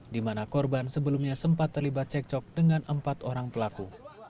di mana korban sebelumnya sempat terlibat cekcok dengan empat orang pelaku